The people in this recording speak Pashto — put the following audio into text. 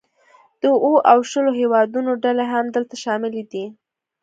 د اوو او شلو هیوادونو ډلې هم دلته شاملې دي